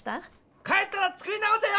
帰ったら作り直せよ！